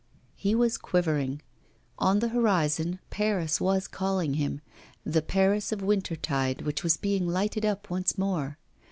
He was quivering. On the horizon Paris was calling him, the Paris of winter tide which was being lighted up once more.